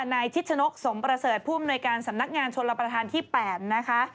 นายชิดชนกสมประเสริฐผู้อำนวยการสำนักงานชนรับประทานที่๘นะคะ